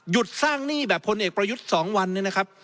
สร้างหนี้แบบพลเอกประยุทธ์๒วันเนี่ยนะครับ